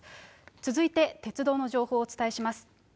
続いて鉄道の情報をお伝えします。